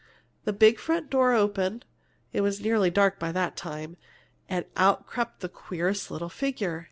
"The big front door opened (it was nearly dark by that time) and out crept the queerest little figure!